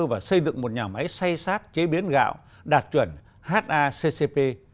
và xây dựng một nhà máy xây xác chế biến gạo đạt chuẩn haccp